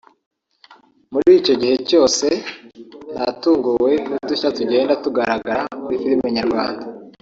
muri icyo gihe cyose natunguwe n’udushya tugenda tugaragara muri filimi nyarwanda”